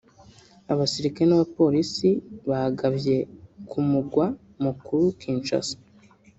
Abasirikare n’abapolisi bagavye ku mugwa mukuru Kinshasa